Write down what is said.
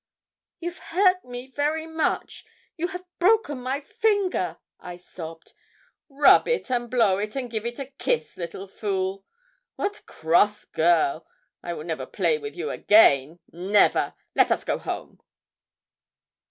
'You've hurt me very much you have broken my finger,' I sobbed. 'Rub it and blow it and give it a kiss, little fool! What cross girl! I will never play with you again never. Let us go home.'